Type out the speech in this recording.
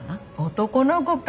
男の子か。